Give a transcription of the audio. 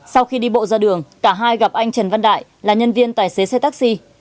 sau khi đi bộ ra đường cả hai gặp anh trần văn đại là nhân viên tài xế xe taxi